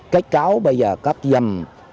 kết cấu bây giờ cấp rầm